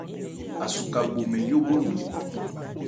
Asuka bho mɛn yíógondu.